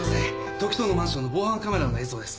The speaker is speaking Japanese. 時任のマンションの防犯カメラの映像です。